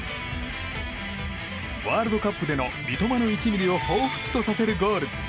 ワールドカップでの三笘の１ｍｍをほうふつとさせるゴール。